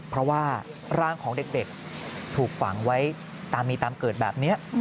เพราะว่าร่างของเด็กถูกฝังไว้ตามมีตามเกิดแบบนี้